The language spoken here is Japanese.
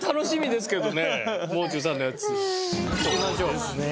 そうですね。